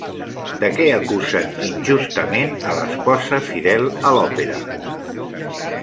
De què acusen injustament a l'esposa fidel a l'òpera?